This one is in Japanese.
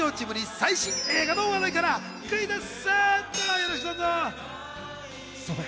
最新映画の話題からクイズッス！